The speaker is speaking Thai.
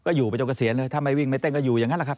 อยู่ไปจนเกษียณเลยถ้าไม่วิ่งไม่เต้นก็อยู่อย่างนั้นแหละครับ